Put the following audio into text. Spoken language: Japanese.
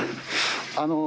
あの。